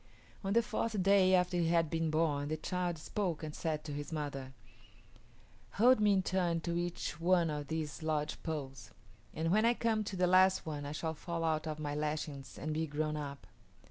On the fourth day after he had been born the child spoke and said to his mother, "Hold me in turn to each one of these lodge poles, and when I come to the last one I shall fall out of my lashings and be grown up."